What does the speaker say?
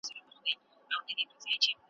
هم ګیله من یو له نصیب هم له انسان وطنه .